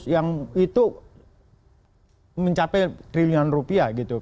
yang itu mencapai triliunan rupiah gitu